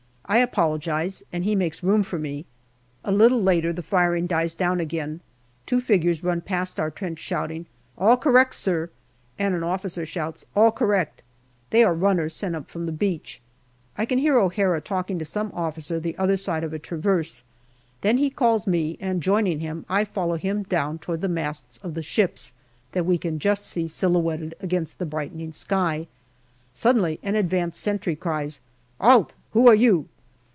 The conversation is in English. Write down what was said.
I apologize, and he makes room for me. A little later, the firing dies down again ; two figures run past our trench shouting " All correct, sir," and an officer shouts " All correct/' They are runners sent up from the beach. I can hear O'Hara talking to some officer the other side of a traverse ; then he calls me, and joining him, I follow him down towards the masts of the ships that we can just see silhouetted against the brightening sky. Suddenly an advanced sentry cries, " 'Alt, who are you?